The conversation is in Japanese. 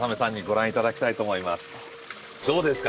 どうですか？